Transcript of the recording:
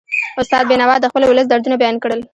استاد بینوا د خپل ولس دردونه بیان کړل.